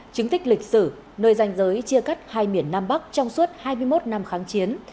chứng tích lịch sử nơi danh giới chia cắt hai miền nam bắc trong suốt hai mươi một năm kháng chiến